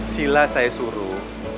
sila saya suruh